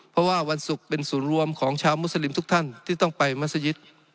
เพราะว่าวันศุกร์เป็นศูนย์รวมของชาวมุสลิมทุกท่านที่ต้องไปมัศยิต